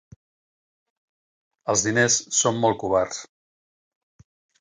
Els diners són molt covards.